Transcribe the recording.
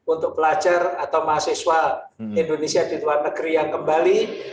untuk pelajar atau mahasiswa indonesia di luar negeri yang kembali